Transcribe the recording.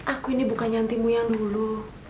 aku ini bukan nyantimu yang dulu